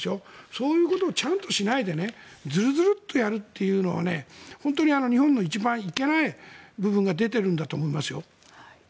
そういうことをちゃんとしないでずるずるとやるというのは本当に日本の一番いけない部分が出てるんだと思いますよ。